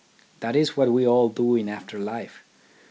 That is what we all do in after life.